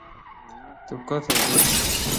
تو کتہ این؟